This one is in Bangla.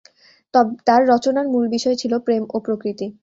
তার রচনার মূল বিষয় ছিল প্রেম ও প্রকৃতি।